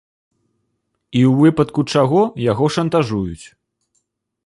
І ў выпадку чаго яго шантажуюць.